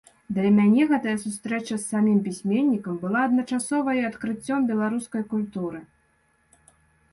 Для мяне гэтая сустрэча з самім пісьменнікам была адначасова і адкрыццём беларускай культуры.